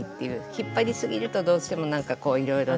引っ張りすぎるとどうしてもなんかこういろいろなっちゃうんで。